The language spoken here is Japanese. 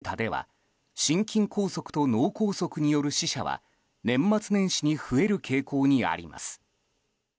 厚生労働省のデータでは心筋梗塞と脳梗塞による死者は年末年始に増える傾向にあります。